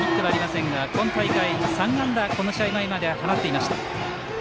今日、知花にはヒットはありませんが今大会３安打、この試合前までは放っていました。